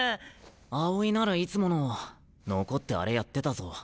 青井ならいつもの残ってあれやってたぞ。